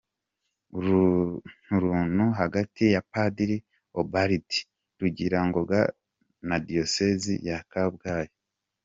Urunturuntu hagati ya Padiri Ubald Rugirangoga na Diyosezi ya Kabgayi.